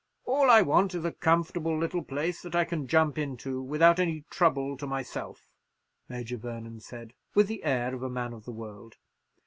"All I want is a comfortable little place that I can jump into without any trouble to myself," Major Vernon said, with the air of a man of the world.